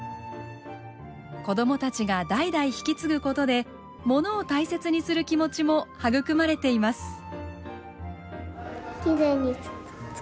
子供たちが代々引き継ぐことでものを大切にする気持ちも育まれています。